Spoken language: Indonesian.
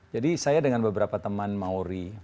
jadi saya dengan beberapa teman maori